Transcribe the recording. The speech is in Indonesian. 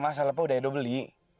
iya mas saya lupa udah edo beli